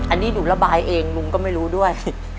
อันนี้หนูระบายเองลุงก็ไม่รู้ด้วย